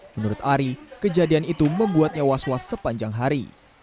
menurut ari kejadian itu membuatnya was was sepanjang hari